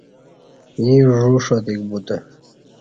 ییں ژ و ݜاتیک بوتہ